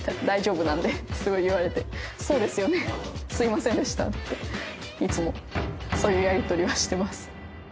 「大丈夫なんで」ってすごい言われていつもそういうやりとりはしてます